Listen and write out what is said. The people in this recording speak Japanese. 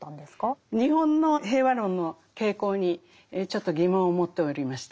日本の平和論の傾向にちょっと疑問を持っておりました。